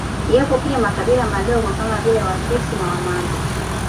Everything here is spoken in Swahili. Yapo pia makabila madogo kama vile Wakisi na Wamanda